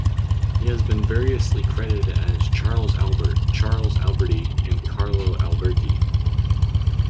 He has been variously credited as "Charles Albert", "Charles Alberty" and "Carlo Alberti".